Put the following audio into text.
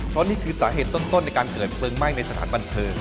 เพราะนี่คือสาเหตุต้นในการเกิดเพลิงไหม้ในสถานบันเทิง